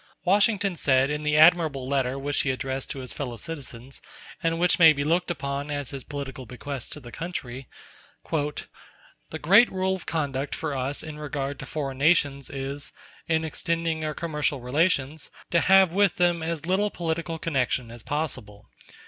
Washington said in the admirable letter which he addressed to his fellow citizens, and which may be looked upon as his political bequest to the country: "The great rule of conduct for us in regard to foreign nations is, in extending our commercial relations, to have with them as little political connection as possible.